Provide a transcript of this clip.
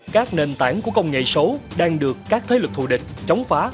các nền tảng của công nghệ số đang được các thế lực thù địch chống phá